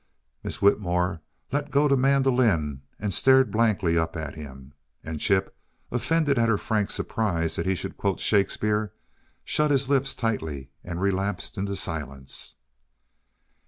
Miss Whitmore let go the mandolin and stared blankly up at him, and Chip, offended at her frank surprise that he should quote Shakespeare, shut his lips tightly and relapsed into silence.